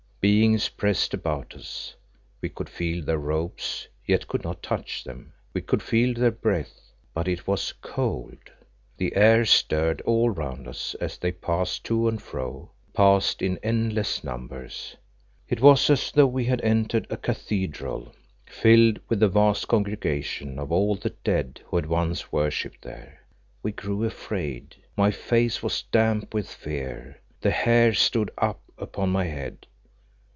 Beings pressed about us; we could feel their robes, yet could not touch them; we could feel their breath, but it was cold. The air stirred all round us as they passed to and fro, passed in endless numbers. It was as though we had entered a cathedral filled with the vast congregation of all the dead who once had worshipped there. We grew afraid my face was damp with fear, the hair stood up upon my head.